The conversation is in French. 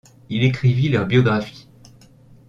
Il écrivit leurs biographies.